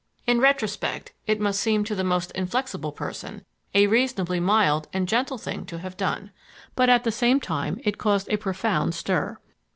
In retrospect it must seem to the most inflexible person a reasonably mild and gentle thing to have done. But at the same time it caused a profound stir.